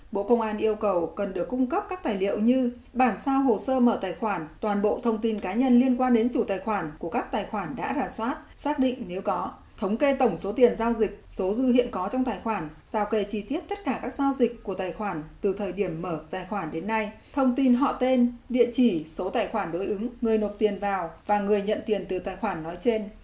bộ công an yêu cầu cần được cung cấp các tài liệu như bản sao hồ sơ mở tài khoản toàn bộ thông tin cá nhân liên quan đến chủ tài khoản của các tài khoản đã rà soát xác định nếu có thống kê tổng số tiền giao dịch số dư hiện có trong tài khoản sao kề chi tiết tất cả các giao dịch của tài khoản từ thời điểm mở tài khoản đến nay thông tin họ tên địa chỉ số tài khoản đối ứng người nộp tiền vào và người nhận tiền từ tài khoản nói trên